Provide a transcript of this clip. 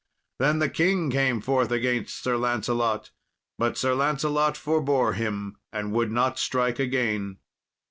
Then the king came forth against Sir Lancelot, but Sir Lancelot forbore him and would not strike again.